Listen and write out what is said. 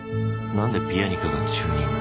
何でピアニカがチューニング？